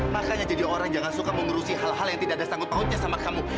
makanya jadi orang yang tidak suka mengurusi hal hal yang tidak ada sanggup maunya sama kamu